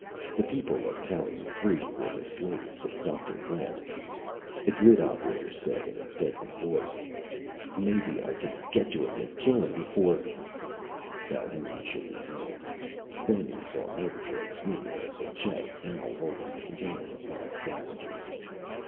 The people of Tallien Three were the slaves of Dr. Lett. The grid operator said in a deadly voice: "Maybe I can get to him and kill him before " Calhoun shook his head. Then he saw Murgatroyd sniffing at the chest now holding the container of live scavengers.